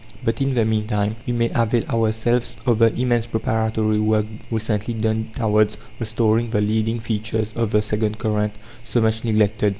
But in the meantime we may avail ourselves of the immense preparatory work recently done towards restoring the leading features of the second current, so much neglected.